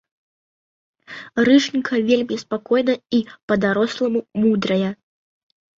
Рыжанькая вельмі спакойная і па-даросламу мудрая.